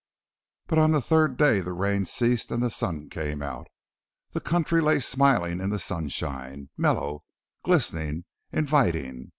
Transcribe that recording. But on the third day the rain ceased and the sun came out. The country lay smiling in the sunshine, mellow, glistening, inviting.